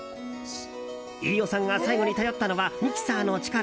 飯尾さんが最後に頼ったのはミキサーの力。